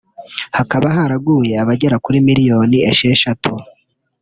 hakaba haraguye abagera kuri miliyoni esheshatu